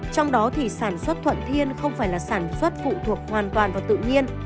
trong đó thì sản xuất thuận thiên không phải là sản xuất phụ thuộc hoàn toàn vào tự nhiên